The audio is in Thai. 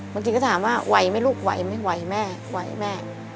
บางทีก็ถามว่าไหวไหมลูกไหวไม่ไหวแม่ไหวแม่